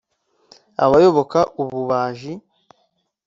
abayoboka ububaji